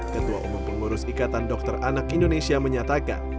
ketua umum pengurus ikatan dokter anak indonesia menyatakan